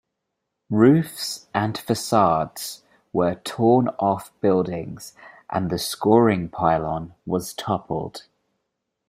Roofs and facades were torn off buildings and the scoring pylon was toppled.